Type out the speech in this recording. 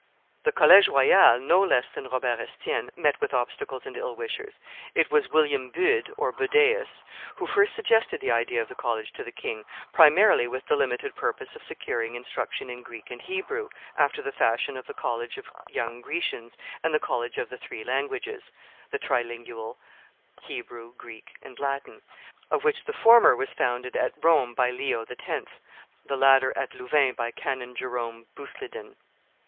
The College Royal, no less than Robert Estienne, met with obstacles and ill wishers; it was William Bude (Budeaus) who first suggested the idea of the college to the king, primarily with the limited purpose of securing instruction in Greek and Hebrew, after the fashion of the College of Young Grecians and the College of the Three Languages (the Trilingual, Hebrew, Greek, and Latin), of which the former was founded at Rome by Leo X., the latter at Louvain by Canon Jerome Busleyden.